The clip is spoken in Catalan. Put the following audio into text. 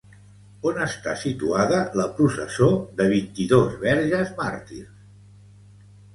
On està situada la processó de vint-i-dos verges màrtirs?